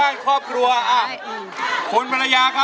ล้อมได้ให้ร้าน